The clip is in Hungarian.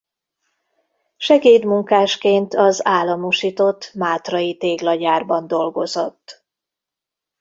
Segédmunkásként az államosított Mátray Téglagyárban dolgozott.